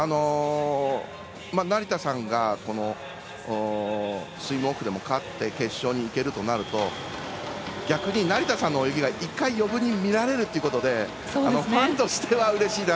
成田さんがスイムオフでも勝って決勝にいけるとなると逆に成田さんの泳ぎが１回余分に見られるということでファンとしてはうれしいな。